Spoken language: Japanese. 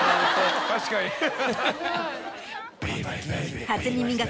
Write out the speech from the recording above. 確かにハハハ。